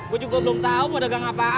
gua juga belum tau mau dagang apaan